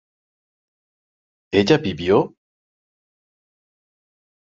¿ella vivió?